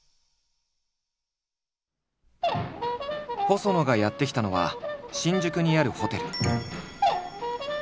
細野がやって来たのは新宿にあるホテル。